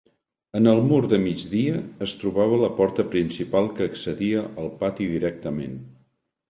En el mur de migdia es trobava la porta principal que accedia al pati directament.